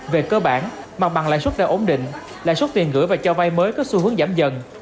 về cơ bản bằng bằng lại suất đều ổn định lại suất tiền gửi và cho vay mới có xu hướng giảm dần